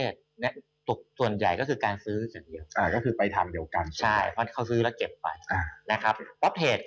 ส่วนใหญ่และตัวเกี่ยวกัน